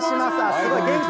すごい元気。